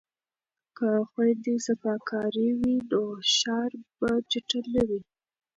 که خویندې صفاکارې وي نو ښار به چټل نه وي.